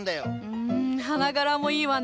うん花柄もいいわね。